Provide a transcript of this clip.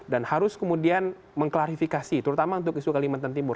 dan harus kemudian mengklarifikasi terutama untuk isu kalimantan timur